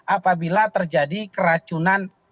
apabila terjadi keracunan